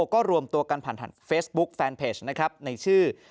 ก็รวมตัวกันผ่านถัดเฟซบุ๊กแฟนเพจในชื่อ